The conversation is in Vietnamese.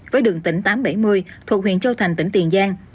với đường tỉnh tám trăm bảy mươi thuộc huyện châu thành tỉnh tiền giang